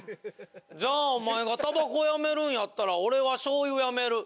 じゃあお前がタバコやめるんやったら俺はしょうゆやめる。